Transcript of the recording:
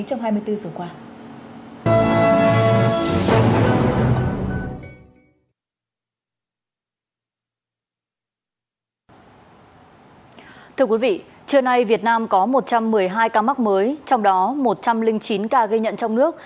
hôm nay việt nam có một trăm một mươi hai ca mắc mới trong đó một trăm linh chín ca gây nhận trong nước